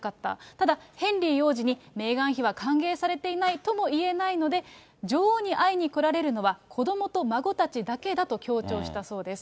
ただヘンリー王子にメーガン妃は歓迎されていないとも言えないので、女王に会いに来られるのは、子どもと孫たちだけだと強調したそうです。